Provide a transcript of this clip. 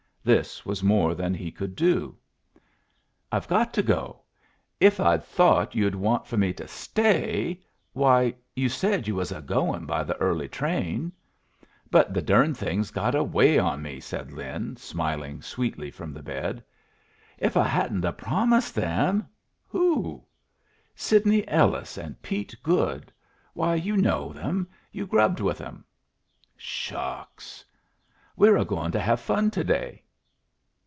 This was more than he could do! "I've got to go. If I'd thought you'd want for me to stay why, you said you was a going by the early train!" "But the durned thing's got away on me," said Lin, smiling sweetly from the bed. "If I hadn't a promised them " "Who?" "Sidney Ellis and Pete Goode. Why, you know them; you grubbed with them." "Shucks!" "We're a going to have fun to day."